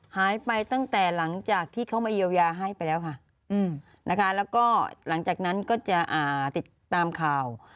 หายไปตั้งแต่หลังจากที่เขามาเยียวยาให้ไปแล้วค่ะนะคะแล้วก็หลังจากนั้นก็จะติดตามข่าว